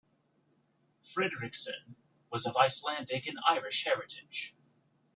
Fredrickson was of Icelandic and Irish heritage.